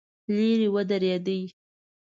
لرې ودرېده.